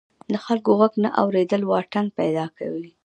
د خلکو غږ نه اوریدل واټن پیدا کوي.